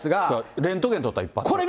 レントゲン撮ったら一発。